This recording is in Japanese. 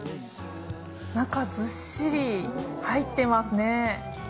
中、ずっしり入ってますね。